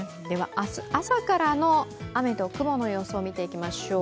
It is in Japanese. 明日朝からの雨と雲の予想を見ていきましょう。